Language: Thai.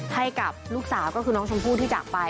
ให้กับลูกสาวก็คือน้องชมพู่ที่จากไป